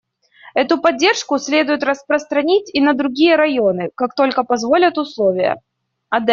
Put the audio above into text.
Эту поддержку следует распространить и на другие районы, как только позволят условия.